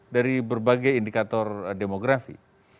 dari berbagai indikator demografi